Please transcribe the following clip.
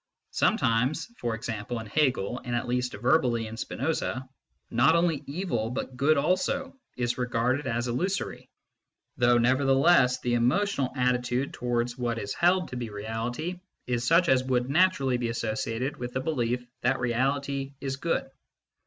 Sometimes for example in Hegel, and at least verbally in Spinoza not only evil, but good also, is regarded as illusory, though nevertheless the emotional attitude towards what is held to be Reality is such as would naturally be associated with the belief that Reality is good.